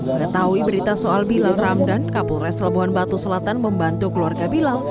mengetahui berita soal bilal ramdan kapolres labuhan batu selatan membantu keluarga bilal